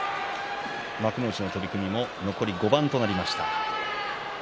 幕内の取組も残り５番となりました。